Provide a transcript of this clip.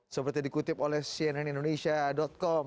seperti dikutip oleh cnnindonesia com